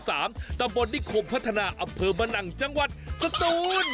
ตำบลนิคมพัฒนาอำเภอมะนังจังหวัดสตูน